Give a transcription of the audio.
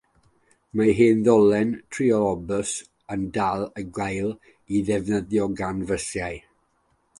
Mae'r hen ddolen trolibws yn dal i gael ei defnyddio gan fysiau.